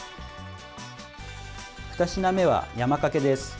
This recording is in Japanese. ２品目は、山かけです。